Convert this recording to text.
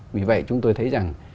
vì vậy chúng tôi thấy rằng